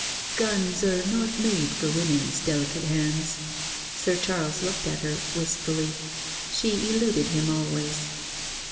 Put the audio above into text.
" Guns are not made for women's delicate hands." Sir Charles looked at her wistfully. She eluded him always.